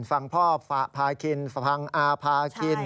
ฟังพ่อพาคินฟังอาพาคิน